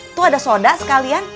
itu ada soda sekalian